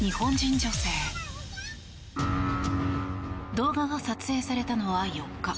動画が撮影されたのは４日。